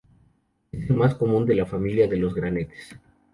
Es el más común de la familia de los granates.